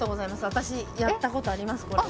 私やったことありますえっ